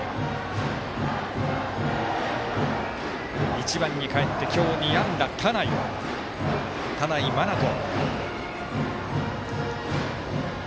１番にかえって今日２安打、田内真翔。